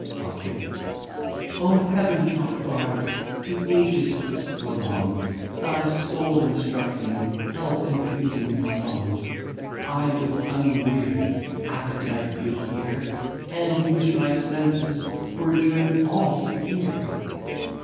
Al. O Heaven taught Bard! to Ages couldst prolong Thy Soul instructing, Health infusing Song, I with unweary'd Appetite could hear, And wish my Senses were turn'd all to Ear.